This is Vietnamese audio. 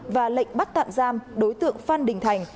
và lệnh bắt tạm giam đối tượng phan đình thành